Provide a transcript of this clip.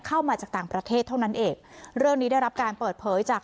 มาจากต่างประเทศเท่านั้นเองเรื่องนี้ได้รับการเปิดเผยจาก